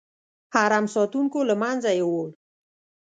حرم ساتونکو له منځه یووړ.